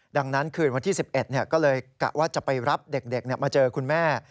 ดังนั้นคืนวันที่๑๑ก็เลยกะว่าจะไปรับเด็กมาเจอคุณแม่